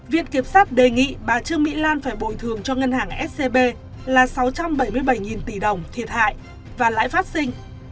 viện kiểm sát đề nghị bà trương mỹ lan phải bồi thường cho ngân hàng scb là sáu trăm bảy mươi bảy tỷ đồng thiệt hại và lãi phát sinh